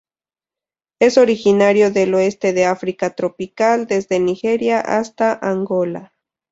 Es originario del oeste de África tropical desde Nigeria hasta Angola.